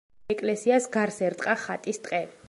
ეკლესიას გარს ერტყა ხატის ტყე.